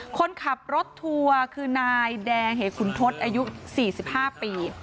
คนขับรถทัวร์คือนายแดงเหขุนทศอายุ๔๕ปี